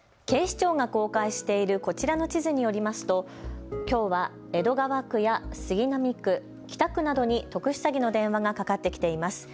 警視庁が公開しているこちらの地図によりますときょうは江戸川区や杉並区、北区などに特殊詐欺の電話がかかってきています。